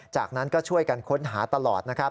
จากนั้นก็ช่วยกันค้นหาตลอด